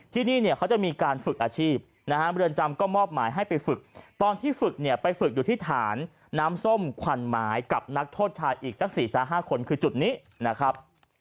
ที่นี่เนี่ยเขาจะมีการฝึกอาชีพนะฮะเรือนจำก็มอบหมายให้ไปฝึกตอนที่ฝึกเนี่ยไปฝึกอยู่ที่ฐานน้ำส้มขวัญหมายกับนักโทษชายอีกสัก๔๕คนคือจุดนี้นะครับ